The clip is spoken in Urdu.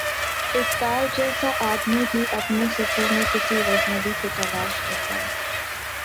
اقبال جیسا آدمی بھی اپنی صفوں میں کسی غزنوی کو تلاش کرتا ہے۔